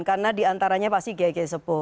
karena diantaranya pasti kiai kiai sepo